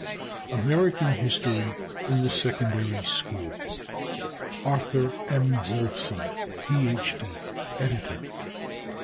] American History in the Secondary School ARTHUR M. WOLFSON, PH.D., Editor.